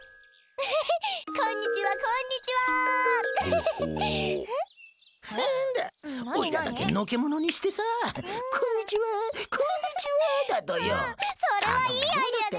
うんそれはいいアイデアね！